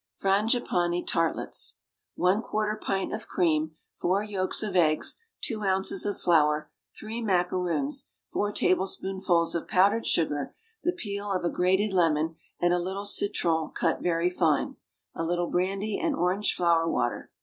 FRANGIPANÉ TARTLETS. One quarter pint of cream, four yolks of eggs, two ounces of flour, three macaroons, four tablespoonfuls of powdered sugar, the peel of a grated lemon, and a little citron cut very fine, a little brandy and orange flower water.